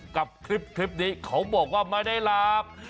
กับคลิปนี้เขาบอกว่าไม่ได้รับ